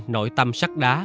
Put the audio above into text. nội tâm sắc đá